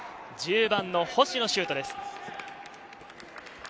１０番の星のシュートです。